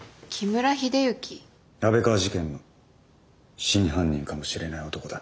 安倍川事件の真犯人かもしれない男だ。